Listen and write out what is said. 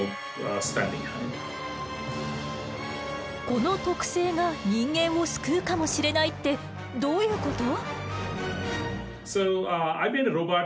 この特性が人間を救うかもしれないってどういうこと？